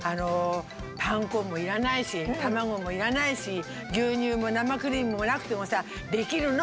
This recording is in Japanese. パン粉もいらないし卵もいらないし牛乳もなまクリームもなくてもさできるの！